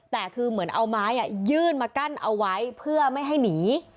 แต่คือเหมือนเอาไม้ยื่นมากั้นเอาไว้เพื่อไม่ให้หนี